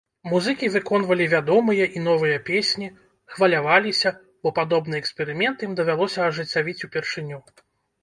Музыкі выконвалі вядомыя і новыя песні, хваляваліся, бо падобны эксперымент ім давялося ажыццявіць упершыню.